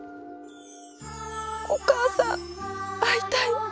お母さん会いたい。